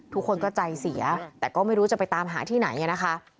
ทุกคนก็ใจเสียแต่ก็ไม่รู้จะไปตามหาที่ไหนนะคะ